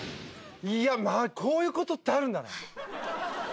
いやこういう事ってあるんだね。